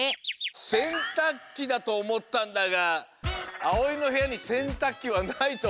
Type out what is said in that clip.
せんたくきだとおもったんだがあおいのへやにせんたくきはないとおもうからな。